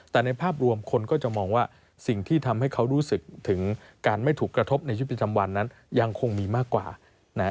แต่ในภาพรวมคนก็จะมองว่าสิ่งที่ทำให้เขารู้สึกถึงการไม่ถูกกระทบในชีวิตประจำวันนั้นยังคงมีมากกว่านะฮะ